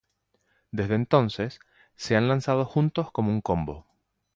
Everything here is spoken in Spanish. Desde entonces, se han lanzado juntos como un combo.